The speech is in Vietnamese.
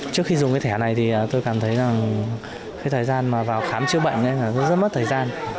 trước khi dùng cái thẻ này thì tôi cảm thấy rằng cái thời gian mà vào khám chữa bệnh là rất mất thời gian